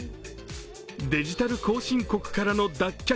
デジタル途上国からの脱却